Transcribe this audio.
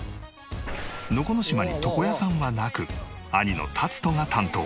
能古島に床屋さんはなく兄のタツトが担当。